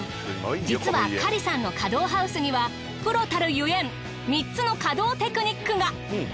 実はカリさんの華道ハウスにはプロたるゆえん３つの華道テクニックが。